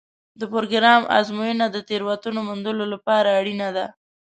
د پروګرام ازموینه د تېروتنو موندلو لپاره اړینه ده.